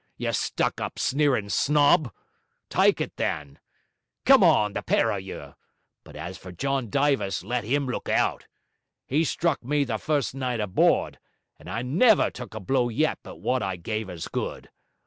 you stuck up sneerin' snob! Tyke it then. Come on, the pair of you. But as for John Dyvis, let him look out! He struck me the first night aboard, and I never took a blow yet but wot I gave as good.